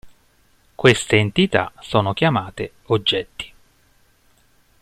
Queste entità sono chiamate "oggetti".